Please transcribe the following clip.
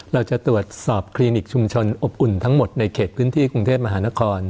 เราจะตรวจสอบคลินิกชุมชนอบอุ่นทั้งหมดในเขตพื้นที่กรุงเทพมหานคร